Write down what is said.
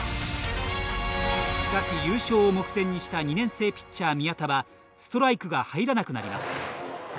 しかし、優勝を目前にした２年生ピッチャー・宮田はストライクが入らなくなります。